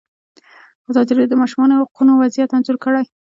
ازادي راډیو د د ماشومانو حقونه وضعیت انځور کړی.